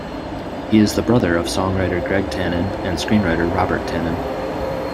He is the brother of songwriter Greg Tannen and screenwriter Robert Tannen.